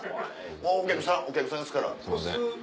もうお客さんお客さんですから。